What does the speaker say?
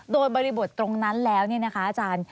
โดยบริบทตรงนั้นแล้วเนี่ยนะคะอาจารย์